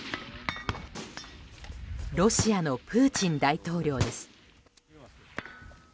ロシアのプーチン大統領です。